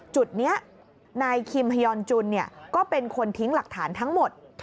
จุดนี้นายคิมฮยอนจุนก็เป็นคนทิ้งหลักฐานทั้งหมด